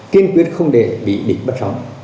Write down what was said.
kiên quyết không để bị địch bắt sống